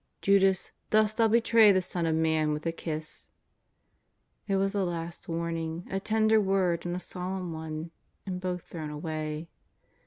Judas, dost thou betray the Son of Man with a kiss ?" It was the last warning — a tender word, and a sol emn one — and both thrown away.